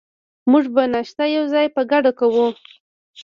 موږ به ناشته یوځای په ګډه کوو.